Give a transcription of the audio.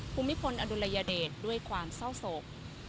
ภูมิพลอดุลยเดชด้วยความเศร้าโศก